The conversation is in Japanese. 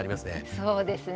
そうですね。